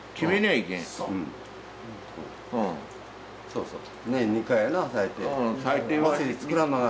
そうそう。